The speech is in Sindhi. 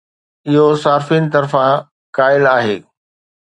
اهو صارفين طرفان قائل آهي